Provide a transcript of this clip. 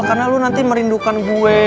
karena lo nanti merindukan gue